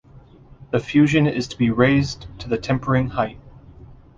The fusion is to be raised to the tempering height.